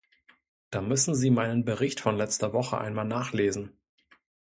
Da müssen Sie meinen Bericht von letzter Woche einmal nachlesen.